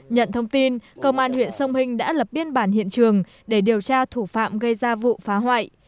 nhận thông tin công an huyện sông hình đã lập biên bản hiện trường để điều tra thủ phạm gây ra vụ phá hoại